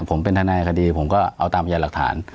วันนั้นเนี่ยผมเป็นทนาอัยคดีผมก็เอาตามอย่างหลักฐาน